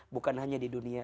bukan hanya di dunia